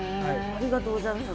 ありがとうございます。